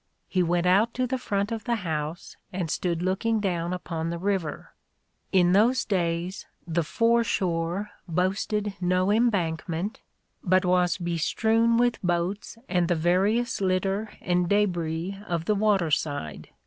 He went out to the front of the house, and stood looking down upon the river. In those days the foreshore boasted no embankment, but was bestrewn with boats and the various litter and debris of the waterside.